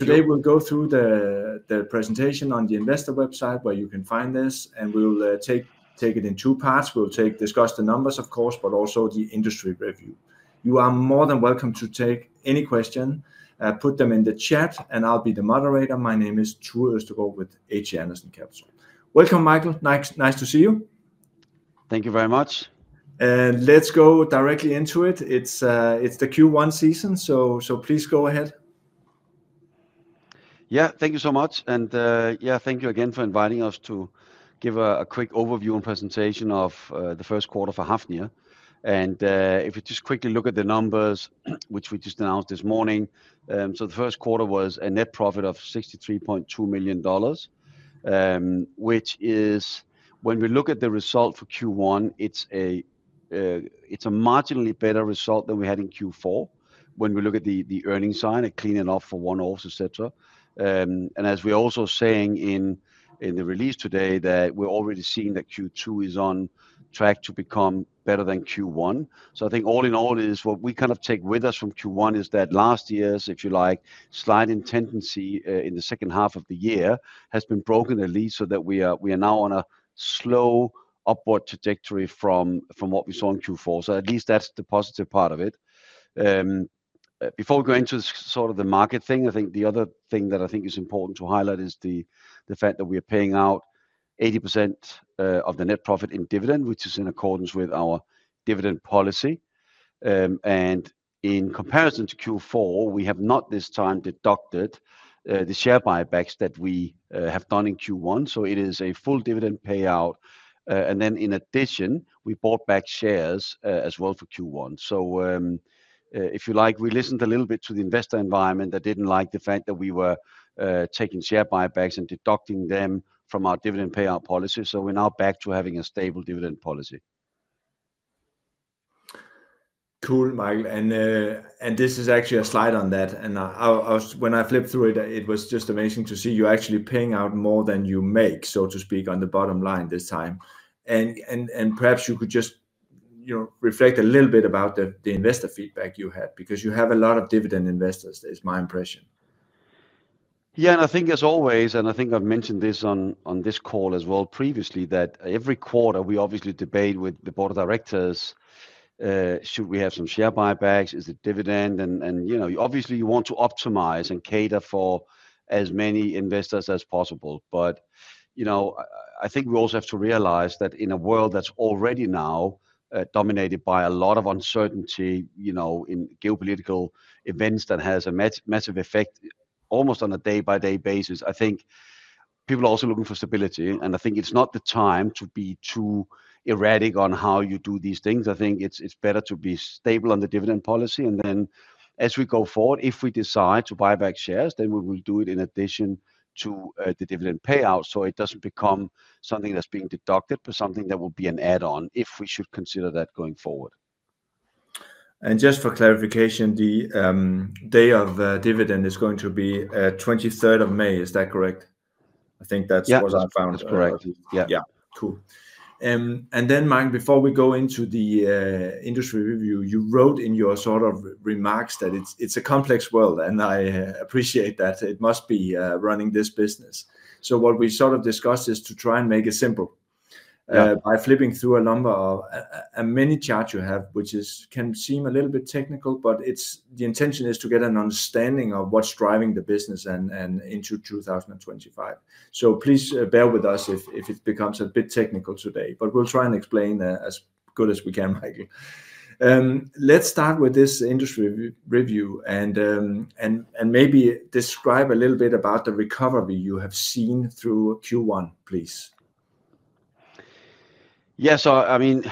Today we'll go through the presentation on the Investor website, where you can find this, and we'll take it in two parts. We'll discuss the numbers, of course, but also the industry review. You are more than welcome to take any question, put them in the chat, and I'll be the moderator. My name is True Östergård with HE Andersen Capital. Welcome, Michael. Nice to see you. Thank you very much. Let's go directly into it. It's the Q1 season, so please go ahead. Yeah, thank you so much. Yeah, thank you again for inviting us to give a quick overview and presentation of the first quarter for Hafnia. If you just quickly look at the numbers, which we just announced this morning, the first quarter was a net profit of SG 63.2 million, which is, when we look at the result for Q1, it's a marginally better result than we had in Q4. When we look at the earnings sign, it cleaned it off for one-offs, etc. As we're also saying in the release today, we're already seeing that Q2 is on track to become better than Q1. I think all in all, what we kind of take with us from Q1 is that last year's, if you like, sliding tendency in the second half of the year has been broken at least, so that we are now on a slow upward trajectory from what we saw in Q4. At least that's the positive part of it. Before we go into sort of the market thing, I think the other thing that I think is important to highlight is the fact that we are paying out 80% of the net profit in dividend, which is in accordance with our dividend policy. In comparison to Q4, we have not this time deducted the share buybacks that we have done in Q1. It is a full dividend payout. In addition, we bought back shares as well for Q1. If you like, we listened a little bit to the investor environment that did not like the fact that we were taking share buybacks and deducting them from our dividend payout policy. We are now back to having a stable dividend policy. Cool, Michael. This is actually a slide on that. When I flipped through it, it was just amazing to see you actually paying out more than you make, so to speak, on the bottom line this time. Perhaps you could just reflect a little bit about the investor feedback you had, because you have a lot of dividend investors, is my impression. Yeah, and I think as always, and I think I've mentioned this on this call as well previously, that every quarter we obviously debate with the board of directors, should we have some share buybacks, is it dividend? Obviously, you want to optimize and cater for as many investors as possible. I think we also have to realize that in a world that's already now dominated by a lot of uncertainty in geopolitical events that has a massive effect almost on a day-by-day basis, I think people are also looking for stability. I think it's not the time to be too erratic on how you do these things. I think it's better to be stable on the dividend policy. As we go forward, if we decide to buy back shares, then we will do it in addition to the dividend payout, so it does not become something that is being deducted, but something that will be an add-on if we should consider that going forward. Just for clarification, the day of dividend is going to be 23rd of May, is that correct? I think that's what I found is correct. Yeah. Yeah, cool. Mike, before we go into the industry review, you wrote in your sort of remarks that it's a complex world, and I appreciate that. It must be running this business. What we sort of discussed is to try and make it simple by flipping through a number of many charts you have, which can seem a little bit technical, but the intention is to get an understanding of what's driving the business into 2025. Please bear with us if it becomes a bit technical today, but we'll try and explain as good as we can, Michael. Let's start with this industry review and maybe describe a little bit about the recovery you have seen through Q1, please. Yeah, so I mean,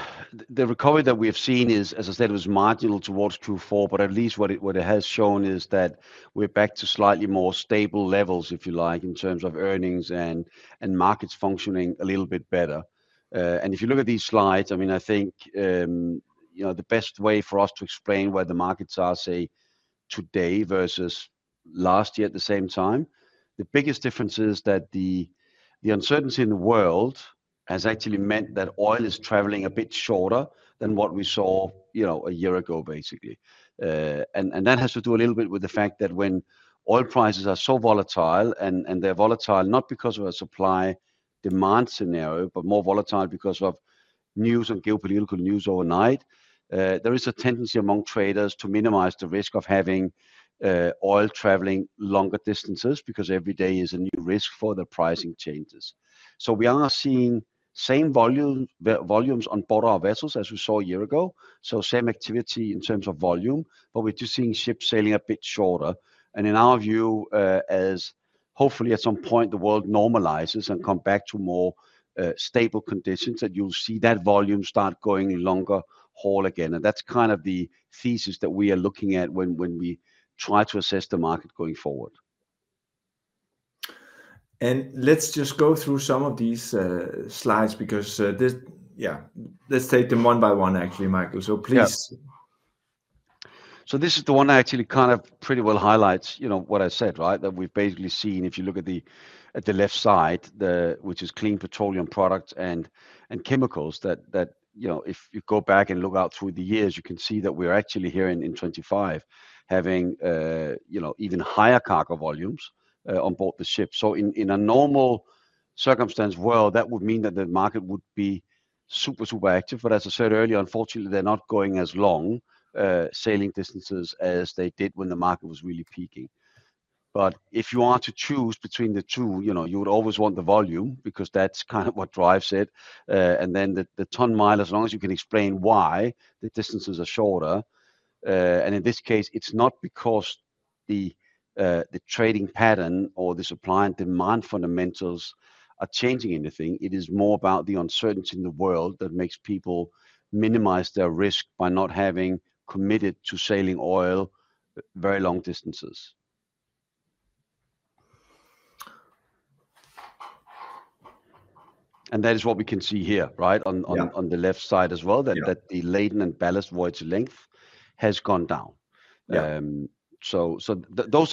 the recovery that we have seen is, as I said, it was marginal towards Q4, but at least what it has shown is that we're back to slightly more stable levels, if you like, in terms of earnings and markets functioning a little bit better. If you look at these slides, I mean, I think the best way for us to explain where the markets are, say, today versus last year at the same time, the biggest difference is that the uncertainty in the world has actually meant that oil is traveling a bit shorter than what we saw a year ago, basically. That has to do a little bit with the fact that when oil prices are so volatile, and they are volatile not because of a supply-demand scenario, but more volatile because of news and geopolitical news overnight, there is a tendency among traders to minimize the risk of having oil traveling longer distances, because every day is a new risk for the pricing changes. We are seeing same volumes on board our vessels as we saw a year ago, so same activity in terms of volume, but we are just seeing ships sailing a bit shorter. In our view, as hopefully at some point the world normalizes and comes back to more stable conditions, you will see that volume start going longer haul again. That is kind of the thesis that we are looking at when we try to assess the market going forward. Let's just go through some of these slides, because yeah, let's take them one by one, actually, Michael. Please. This is the one that actually kind of pretty well highlights what I said, right, that we've basically seen, if you look at the left side, which is clean petroleum products and chemicals, that if you go back and look out through the years, you can see that we're actually here in 2025 having even higher cargo volumes on board the ship. In a normal circumstance world, that would mean that the market would be super, super active. As I said earlier, unfortunately, they're not going as long sailing distances as they did when the market was really peaking. If you are to choose between the two, you would always want the volume, because that's kind of what drives it. The ton mile, as long as you can explain why the distances are shorter. In this case, it's not because the trading pattern or the supply and demand fundamentals are changing anything. It is more about the uncertainty in the world that makes people minimize their risk by not having committed to sailing oil very long distances. That is what we can see here, right, on the left side as well, that the laden and ballast voyage length has gone down. Those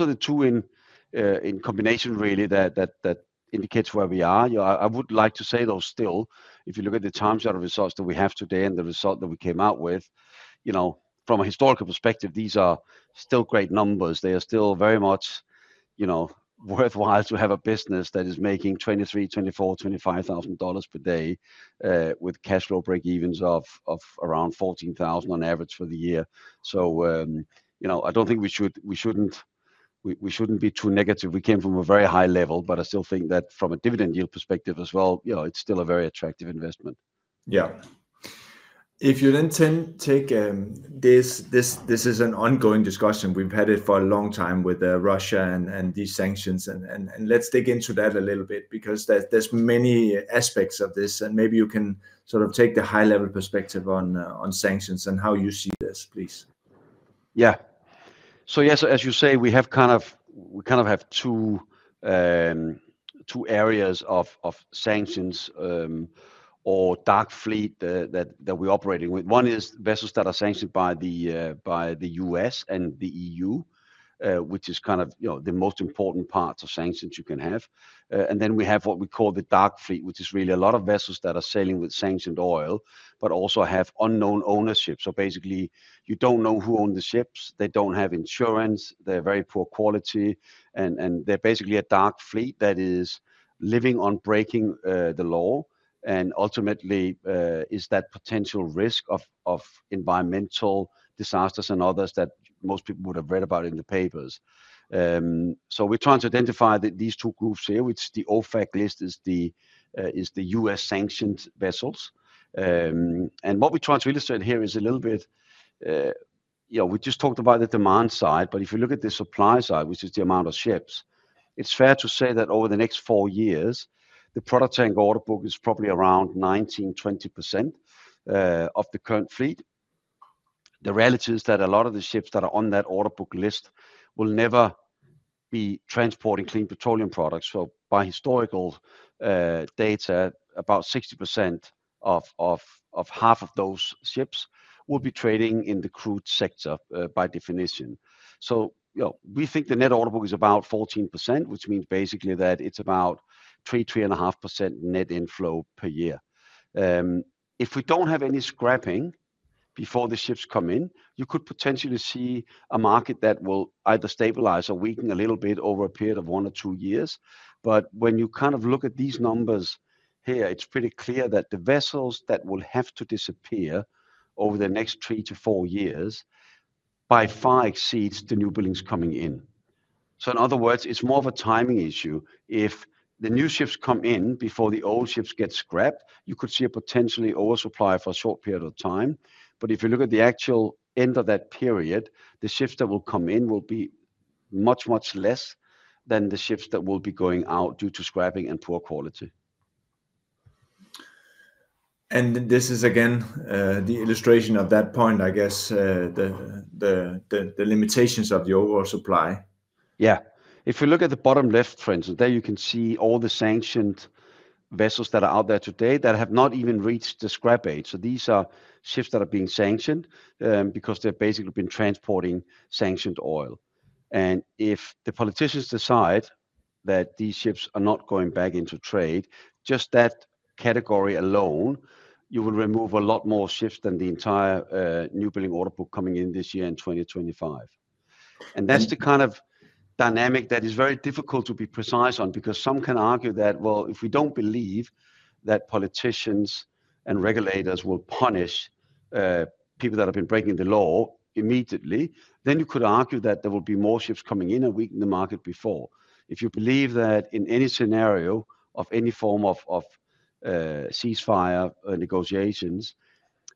are the two in combination, really, that indicate where we are. I would like to say, though, still, if you look at the timesheet results that we have today and the result that we came out with, from a historical perspective, these are still great numbers. They are still very much worthwhile to have a business that is making SG 23,000, SG 24,000, SG 25,000 per day with cash flow breakevens of around SG 14,000 on average for the year. I don't think we shouldn't be too negative. We came from a very high level, but I still think that from a dividend yield perspective as well, it's still a very attractive investment. Yeah. If you then take this, this is an ongoing discussion. We've had it for a long time with Russia and these sanctions. Let's dig into that a little bit, because there's many aspects of this. Maybe you can sort of take the high-level perspective on sanctions and how you see this, please. Yeah. As you say, we kind of have two areas of sanctions or dark fleet that we're operating with. One is vessels that are sanctioned by the U.S. and the EU, which is kind of the most important part of sanctions you can have. Then we have what we call the dark fleet, which is really a lot of vessels that are sailing with sanctioned oil, but also have unknown ownership. Basically, you do not know who owns the ships. They do not have insurance. They are very poor quality. They are basically a dark fleet that is living on breaking the law and ultimately is that potential risk of environmental disasters and others that most people would have read about in the papers. We are trying to identify these two groups here, which the OFAC list is the U.S. sanctioned vessels. What we're trying to illustrate here is a little bit, we just talked about the demand side, but if you look at the supply side, which is the amount of ships, it's fair to say that over the next four years, the product tanker order book is probably around 19%-20% of the current fleet. The reality is that a lot of the ships that are on that order book list will never be transporting clean petroleum products. By historical data, about 60% of half of those ships will be trading in the crude sector by definition. We think the net order book is about 14%, which means basically that it's about 3%-3.5% net inflow per year. If we do not have any scrapping before the ships come in, you could potentially see a market that will either stabilize or weaken a little bit over a period of one or two years. When you kind of look at these numbers here, it is pretty clear that the vessels that will have to disappear over the next three to four years by far exceeds the new buildings coming in. In other words, it is more of a timing issue. If the new ships come in before the old ships get scrapped, you could see a potential oversupply for a short period of time. If you look at the actual end of that period, the ships that will come in will be much, much less than the ships that will be going out due to scrapping and poor quality. This is, again, the illustration of that point, I guess, the limitations of the overall supply. Yeah. If you look at the bottom left, for instance, there you can see all the sanctioned vessels that are out there today that have not even reached the scrap age. These are ships that are being sanctioned because they've basically been transporting sanctioned oil. If the politicians decide that these ships are not going back into trade, just that category alone, you will remove a lot more ships than the entire new building order book coming in this year in 2025. That is the kind of dynamic that is very difficult to be precise on, because some can argue that, well, if we do not believe that politicians and regulators will punish people that have been breaking the law immediately, then you could argue that there will be more ships coming in and weakening the market before. If you believe that in any scenario of any form of ceasefire negotiations,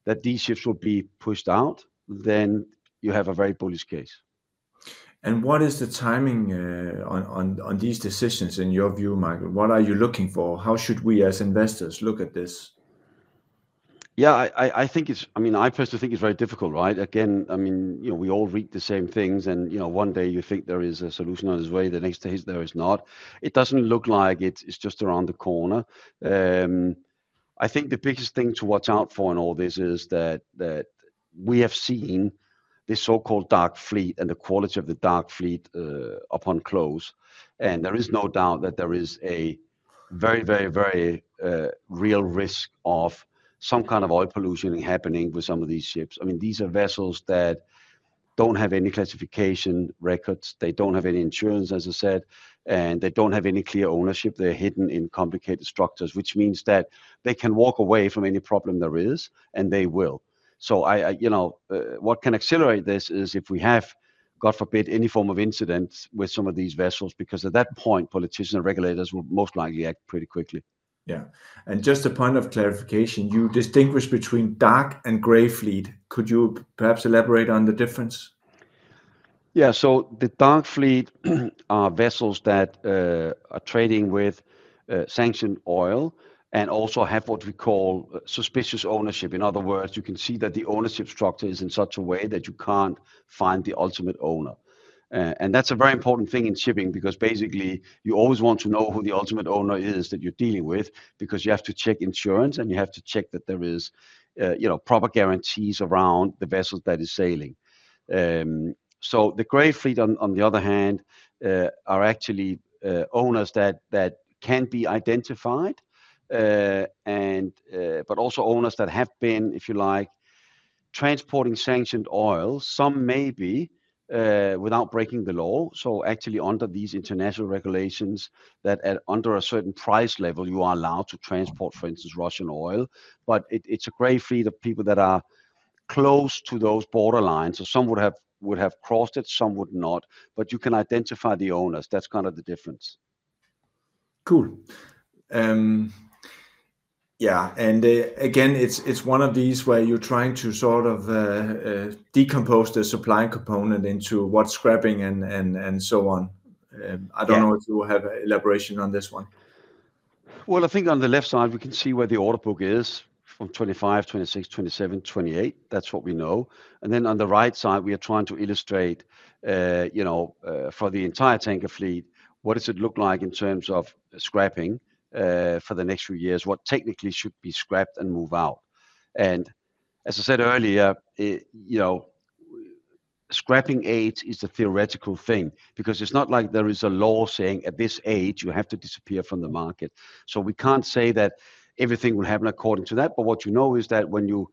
that these ships will be pushed out, then you have a very bullish case. What is the timing on these decisions in your view, Michael? What are you looking for? How should we as investors look at this? Yeah, I think it's, I mean, I personally think it's very difficult, right? Again, I mean, we all read the same things. One day you think there is a solution on its way, the next day there is not. It doesn't look like it's just around the corner. I think the biggest thing to watch out for in all this is that we have seen this so-called dark fleet and the quality of the dark fleet upon close. There is no doubt that there is a very, very, very real risk of some kind of oil pollution happening with some of these ships. I mean, these are vessels that don't have any classification records. They don't have any insurance, as I said, and they don't have any clear ownership. They're hidden in complicated structures, which means that they can walk away from any problem there is, and they will. What can accelerate this is if we have, God forbid, any form of incident with some of these vessels, because at that point, politicians and regulators will most likely act pretty quickly. Yeah. Just a point of clarification, you distinguish between dark and gray fleet. Could you perhaps elaborate on the difference? Yeah, so the dark fleet are vessels that are trading with sanctioned oil and also have what we call suspicious ownership. In other words, you can see that the ownership structure is in such a way that you can't find the ultimate owner. That's a very important thing in shipping, because basically you always want to know who the ultimate owner is that you're dealing with, because you have to check insurance and you have to check that there are proper guarantees around the vessel that is sailing. The gray fleet, on the other hand, are actually owners that can be identified, but also owners that have been, if you like, transporting sanctioned oil, some maybe without breaking the law. Actually under these international regulations that under a certain price level, you are allowed to transport, for instance, Russian oil. It's a gray fleet of people that are close to those borderlines. Some would have crossed it, some would not, but you can identify the owners. That's kind of the difference. Cool. Yeah. Again, it's one of these where you're trying to sort of decompose the supply component into what's scrapping and so on. I don't know if you have elaboration on this one. I think on the left side, we can see where the order book is from 2025, 2026, 2027, 2028. That is what we know. On the right side, we are trying to illustrate for the entire tanker fleet, what does it look like in terms of scrapping for the next few years, what technically should be scrapped and move out. As I said earlier, scrapping age is the theoretical thing, because it is not like there is a law saying at this age you have to disappear from the market. We cannot say that everything will happen according to that. What you know is that when you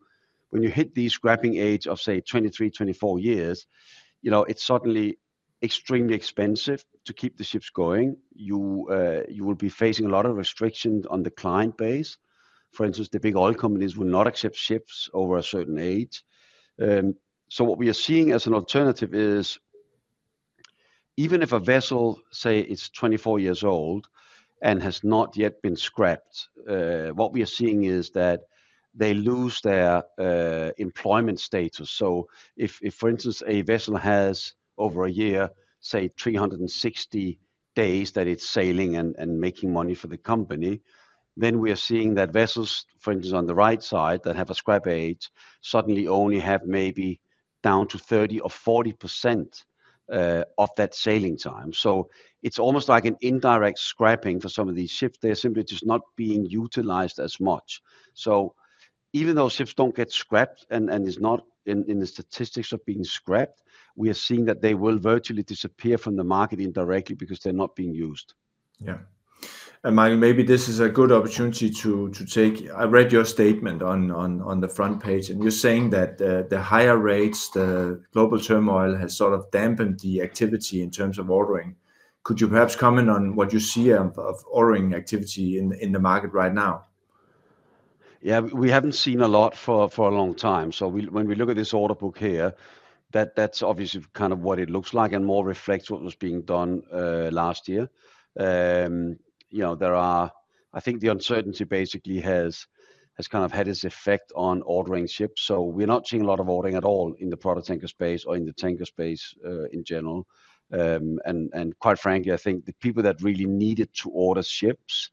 hit these scrapping age of, say, 23, 24 years, it is suddenly extremely expensive to keep the ships going. You will be facing a lot of restrictions on the client base. For instance, the big oil companies will not accept ships over a certain age. What we are seeing as an alternative is even if a vessel, say, is 24 years old and has not yet been scrapped, what we are seeing is that they lose their employment status. If, for instance, a vessel has over a year, say, 360 days that it is sailing and making money for the company, then we are seeing that vessels, for instance, on the right side that have a scrap age suddenly only have maybe down to 30% or 40% of that sailing time. It is almost like an indirect scrapping for some of these ships. They are simply just not being utilized as much. Even though ships do not get scrapped and it is not in the statistics of being scrapped, we are seeing that they will virtually disappear from the market indirectly because they are not being used. Yeah. Michael, maybe this is a good opportunity to take. I read your statement on the front page, and you're saying that the higher rates, the global turmoil has sort of dampened the activity in terms of ordering. Could you perhaps comment on what you see of ordering activity in the market right now? Yeah, we haven't seen a lot for a long time. When we look at this order book here, that's obviously kind of what it looks like and more reflects what was being done last year. I think the uncertainty basically has kind of had its effect on ordering ships. We're not seeing a lot of ordering at all in the product tanker space or in the tanker space in general. Quite frankly, I think the people that really needed to order ships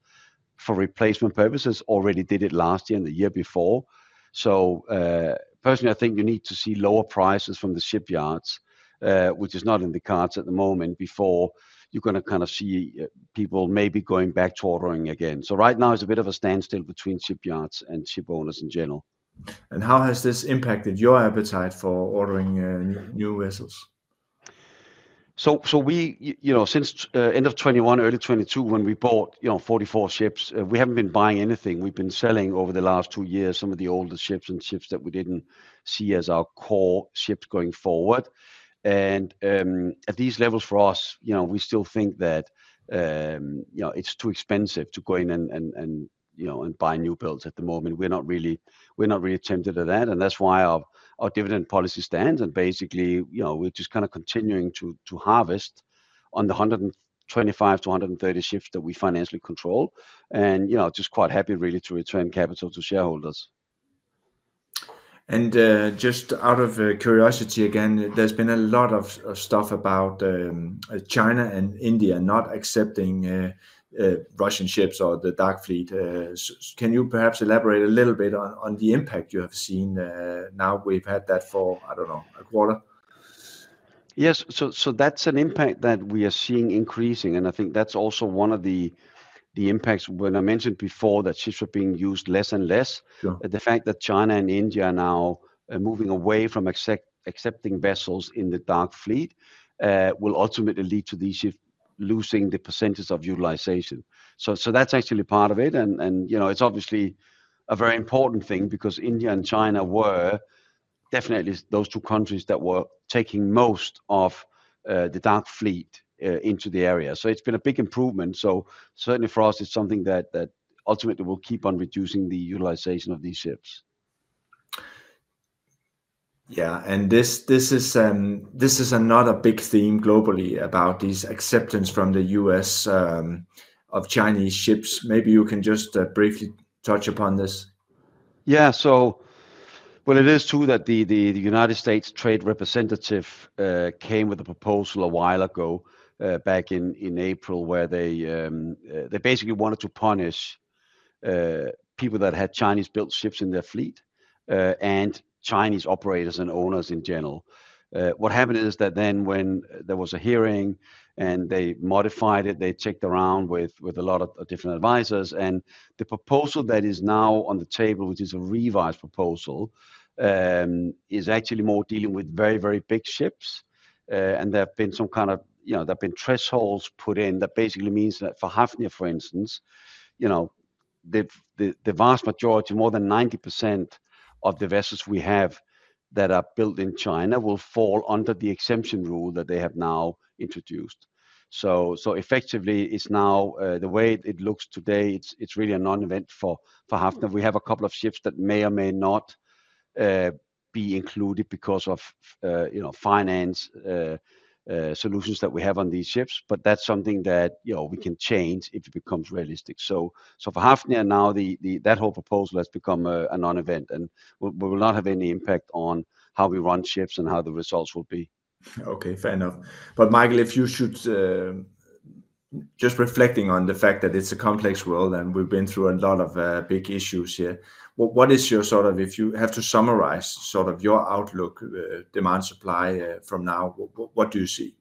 for replacement purposes already did it last year and the year before. Personally, I think you need to see lower prices from the shipyards, which is not in the cards at the moment, before you're going to kind of see people maybe going back to ordering again. Right now, it's a bit of a standstill between shipyards and ship owners in general. How has this impacted your appetite for ordering new vessels? Since end of 2021, early 2022, when we bought 44 ships, we haven't been buying anything. We've been selling over the last two years some of the older ships and ships that we didn't see as our core ships going forward. At these levels for us, we still think that it's too expensive to go in and buy new builds at the moment. We're not really tempted at that. That's why our dividend policy stands. Basically, we're just kind of continuing to harvest on the 125 to 130 ships that we financially control. Just quite happy really to return capital to shareholders. Just out of curiosity again, there's been a lot of stuff about China and India not accepting Russian ships or the dark fleet. Can you perhaps elaborate a little bit on the impact you have seen now? We've had that for, I don't know, a quarter. Yes. That is an impact that we are seeing increasing. I think that is also one of the impacts when I mentioned before that ships are being used less and less. The fact that China and India are now moving away from accepting vessels in the dark fleet will ultimately lead to these ships losing the percentage of utilization. That is actually part of it. It is obviously a very important thing because India and China were definitely those two countries that were taking most of the dark fleet into the area. It has been a big improvement. Certainly for us, it is something that ultimately will keep on reducing the utilization of these ships. Yeah. This is another big theme globally about this acceptance from the U.S. of Chinese ships. Maybe you can just briefly touch upon this. Yeah. It is true that the United States Trade Representative came with a proposal a while ago back in April where they basically wanted to punish people who had Chinese-built ships in their fleet and Chinese operators and owners in general. What happened is that when there was a hearing and they modified it, they checked around with a lot of different advisors. The proposal that is now on the table, which is a revised proposal, is actually more dealing with very, very big ships. There have been some kind of thresholds put in that basically means that for Hafnia, for instance, the vast majority, more than 90% of the vessels we have that are built in China will fall under the exemption rule that they have now introduced. Effectively, it's now the way it looks today, it's really a non-event for Hafnia. We have a couple of ships that may or may not be included because of finance solutions that we have on these ships. But that's something that we can change if it becomes realistic. For Hafnia now, that whole proposal has become a non-event and we will not have any impact on how we run ships and how the results will be. Okay, fair enough. Michael, if you should just reflecting on the fact that it's a complex world and we've been through a lot of big issues here, what is your sort of, if you have to summarize sort of your outlook, demand supply from now, what do you see?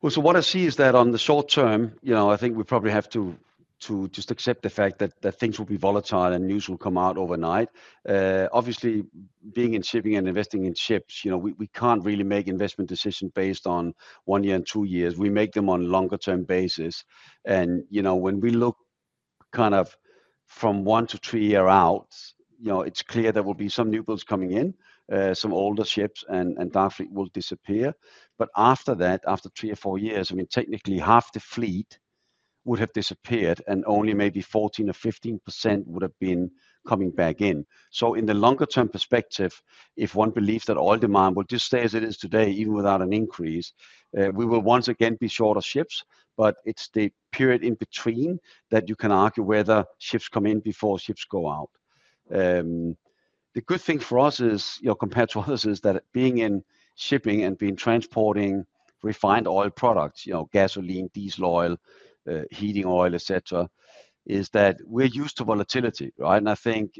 What I see is that on the short term, I think we probably have to just accept the fact that things will be volatile and news will come out overnight. Obviously, being in shipping and investing in ships, we can't really make investment decisions based on one year and two years. We make them on a longer-term basis. When we look kind of from one to three years out, it's clear there will be some new builds coming in, some older ships, and dark fleet will disappear. After that, after three or four years, I mean, technically half the fleet would have disappeared and only maybe 14% or 15% would have been coming back in. In the longer-term perspective, if one believes that all demand will just stay as it is today, even without an increase, we will once again be short of ships. It is the period in between that you can argue whether ships come in before ships go out. The good thing for us compared to others is that being in shipping and transporting refined oil products, gasoline, diesel oil, heating oil, et cetera, is that we're used to volatility, right? I think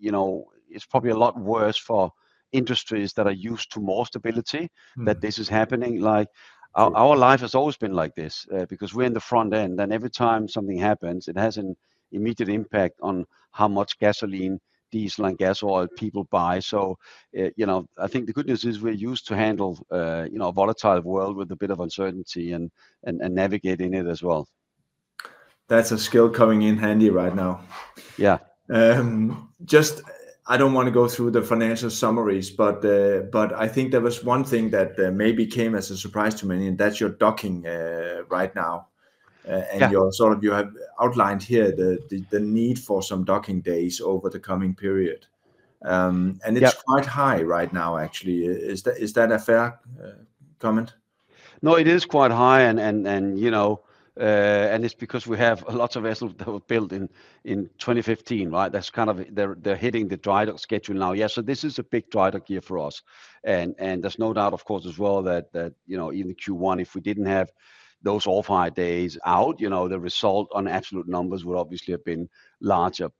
it's probably a lot worse for industries that are used to more stability that this is happening. Our life has always been like this because we're in the front end. Every time something happens, it has an immediate impact on how much gasoline, diesel, and gas oil people buy. I think the good news is we're used to handle a volatile world with a bit of uncertainty and navigating it as well. That's a skill coming in handy right now. Yeah. Just I don't want to go through the financial summaries, but I think there was one thing that maybe came as a surprise to many, and that's your docking right now. You sort of outlined here the need for some docking days over the coming period. It's quite high right now, actually. Is that a fair comment? No, it is quite high. It is because we have lots of vessels that were built in 2015, right? That is kind of they are hitting the dry dock schedule now. Yeah. This is a big dry dock year for us. There is no doubt, of course, as well that in Q1, if we did not have those off-hire days out, the result on absolute numbers would obviously have been larger.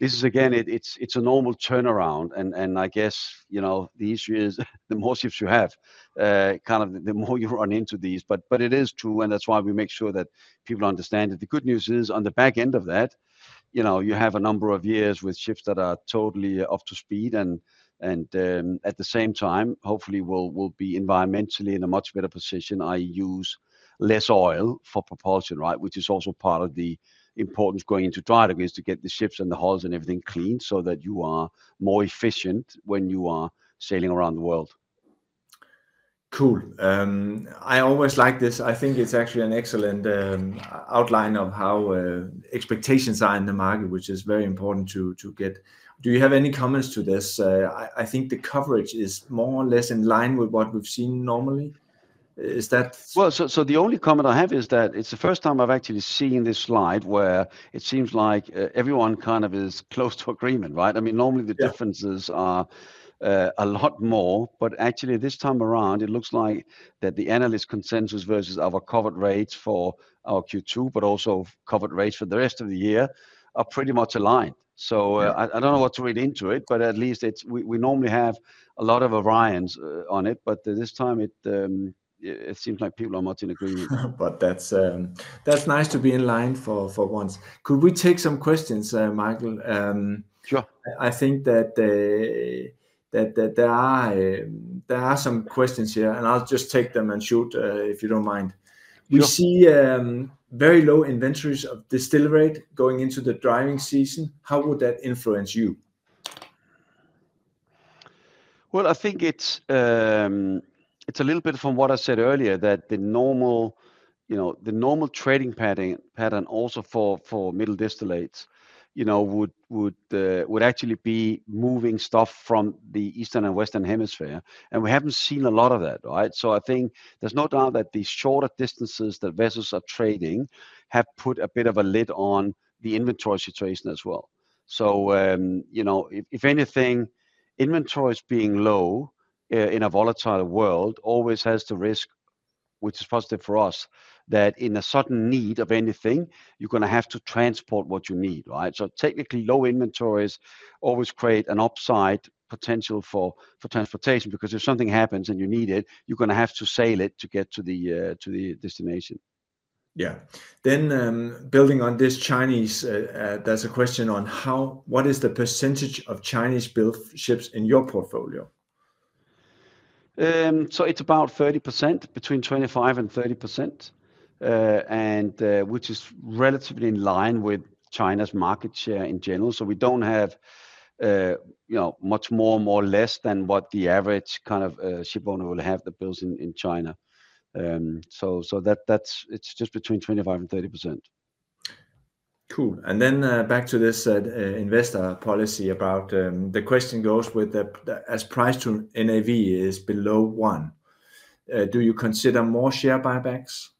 This is, again, it is a normal turnaround. I guess the issue is the more ships you have, kind of the more you run into these. It is true. That is why we make sure that people understand that the good news is on the back end of that, you have a number of years with ships that are totally up to speed. At the same time, hopefully we will be environmentally in a much better position. I use less oil for propulsion, right? Which is also part of the importance going into dry dock is to get the ships and the hulls and everything clean so that you are more efficient when you are sailing around the world. Cool. I always like this. I think it's actually an excellent outline of how expectations are in the market, which is very important to get. Do you have any comments to this? I think the coverage is more or less in line with what we've seen normally. Is that? The only comment I have is that it's the first time I've actually seen this slide where it seems like everyone kind of is close to agreement, right? I mean, normally the differences are a lot more. Actually this time around, it looks like that the analyst consensus versus our covered rates for our Q2, but also covered rates for the rest of the year are pretty much aligned. I don't know what to read into it, but at least we normally have a lot of Orions on it. This time it seems like people are much in agreement. That's nice to be in line for once. Could we take some questions, Michael? Sure. I think that there are some questions here, and I'll just take them and shoot if you don't mind. We see very low inventories of distillate going into the driving season. How would that influence you? I think it's a little bit from what I said earlier that the normal trading pattern also for middle distillates would actually be moving stuff from the Eastern and Western Hemisphere. We haven't seen a lot of that, right? I think there's no doubt that the shorter distances that vessels are trading have put a bit of a lid on the inventory situation as well. If anything, inventories being low in a volatile world always has the risk, which is positive for us, that in a sudden need of anything, you're going to have to transport what you need, right? Technically, low inventories always create an upside potential for transportation because if something happens and you need it, you're going to have to sail it to get to the destination. Yeah. Building on this Chinese, there's a question on what is the percentage of Chinese-built ships in your portfolio? It's about 30%, between 25% and 30%, which is relatively in line with China's market share in general. We don't have much more or more or less than what the average kind of ship owner will have that builds in China. It's just between 25% and 30%. Cool. And then back to this investor policy about the question goes with as price to NAV is below one, do you consider more share buybacks?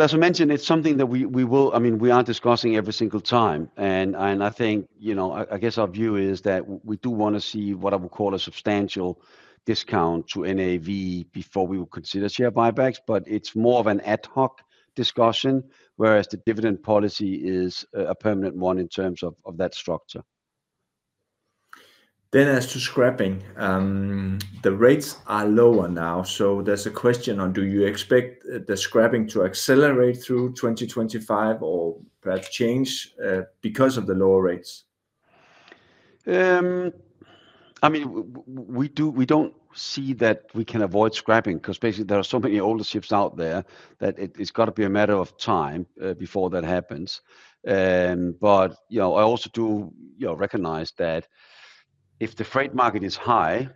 As I mentioned, it's something that we will, I mean, we are discussing every single time. I think, I guess our view is that we do want to see what I would call a substantial discount to NAV before we would consider share buybacks. It's more of an ad hoc discussion, whereas the dividend policy is a permanent one in terms of that structure. As to scrapping, the rates are lower now. There's a question on do you expect the scrapping to accelerate through 2025 or perhaps change because of the lower rates? I mean, we do not see that we can avoid scrapping because basically there are so many older ships out there that it is got to be a matter of time before that happens. I also do recognize that if the freight market is high,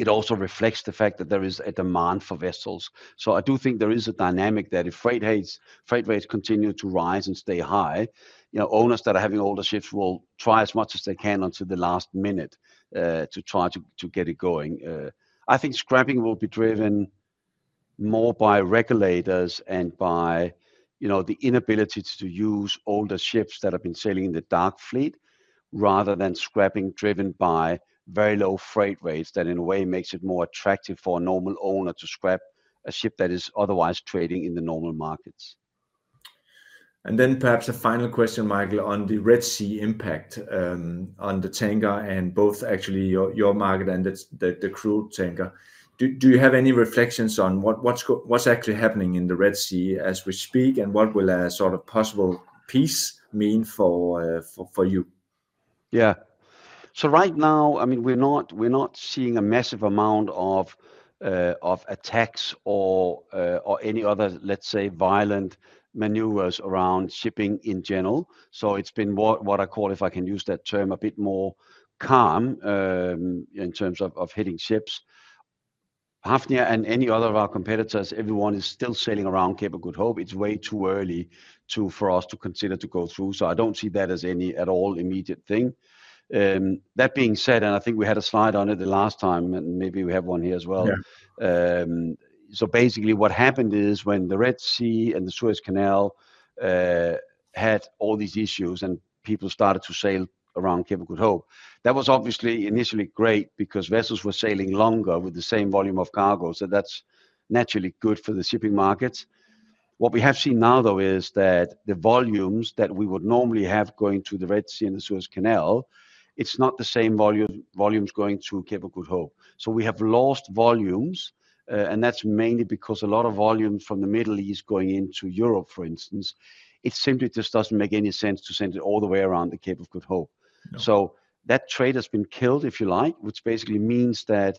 it also reflects the fact that there is a demand for vessels. I do think there is a dynamic that if freight rates continue to rise and stay high, owners that are having older ships will try as much as they can until the last minute to try to get it going. I think scrapping will be driven more by regulators and by the inability to use older ships that have been sailing in the dark fleet rather than scrapping driven by very low freight rates that in a way makes it more attractive for a normal owner to scrap a ship that is otherwise trading in the normal markets. Perhaps a final question, Michael, on the Red Sea impact on the tanker and both actually your market and the crude tanker. Do you have any reflections on what's actually happening in the Red Sea as we speak and what will a sort of possible peace mean for you? Yeah. So right now, I mean, we're not seeing a massive amount of attacks or any other, let's say, violent maneuvers around shipping in general. It has been what I call, if I can use that term, a bit more calm in terms of hitting ships. Hafnia and any other of our competitors, everyone is still sailing around Cape of Good Hope. It's way too early for us to consider to go through. I don't see that as any at all immediate thing. That being said, and I think we had a slide on it the last time, and maybe we have one here as well. Basically what happened is when the Red Sea and the Suez Canal had all these issues and people started to sail around Cape of Good Hope, that was obviously initially great because vessels were sailing longer with the same volume of cargo. That's naturally good for the shipping market. What we have seen now, though, is that the volumes that we would normally have going to the Red Sea and the Suez Canal, it's not the same volumes going to Cape of Good Hope. We have lost volumes, and that's mainly because a lot of volumes from the Middle East going into Europe, for instance, it simply just doesn't make any sense to send it all the way around the Cape of Good Hope. That trade has been killed, if you like, which basically means that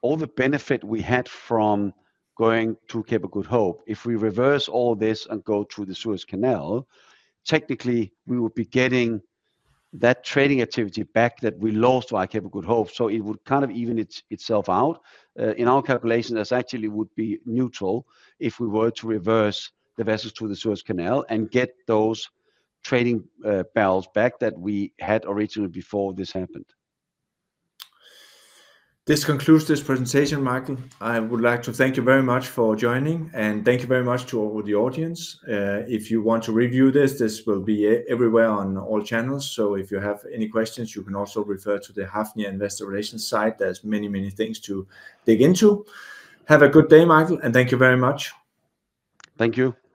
all the benefit we had from going to Cape of Good Hope, if we reverse all this and go through the Suez Canal, technically we would be getting that trading activity back that we lost via Cape of Good Hope. It would kind of even itself out. In our calculation, that actually would be neutral if we were to reverse the vessels to the Suez Canal and get those trading vessels back that we had originally before this happened. This concludes this presentation, Michael. I would like to thank you very much for joining, and thank you very much to all the audience. If you want to review this, this will be everywhere on all channels. If you have any questions, you can also refer to the Hafnia Investor Relations site. There are many, many things to dig into. Have a good day, Michael, and thank you very much. Thank you.